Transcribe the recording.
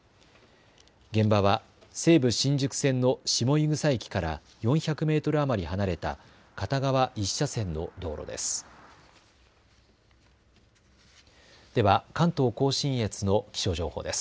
現場は西武新宿線の下井草駅から４００メートル余り離れた片側１車線の道路です。